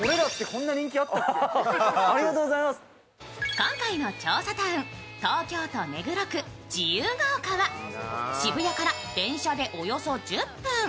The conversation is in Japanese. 今回の調査タウン、東京都目黒区自由が丘は渋谷から電車でおよそ１０分。